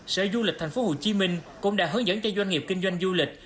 sở du lịch tp hcm cũng đã hướng dẫn cho doanh nghiệp kinh doanh du lịch